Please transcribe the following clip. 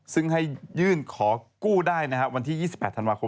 ซึ่งให้ยื่นขอกู้ได้นะครับวันที่๒๘ธันวาคม